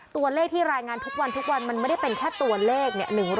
ตัวเลขที่รายงานทุกวันทุกวันมันไม่ได้เป็นแค่ตัวเลข